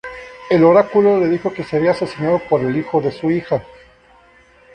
El oráculo le dijo que sería asesinado por el hijo de su hija.